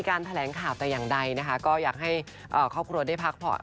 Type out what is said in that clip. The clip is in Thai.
แถลงข่าวแต่อย่างใดนะคะก็อยากให้ครอบครัวได้พักผ่อน